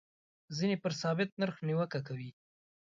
ځینې پر ثابت نرخ نیوکه کوي.